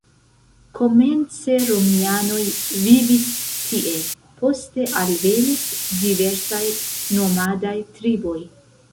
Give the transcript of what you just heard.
Komence romianoj vivis tie, poste alvenis diversaj nomadaj triboj.